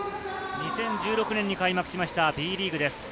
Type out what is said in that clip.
２０１６年に開幕しました、Ｂリーグです。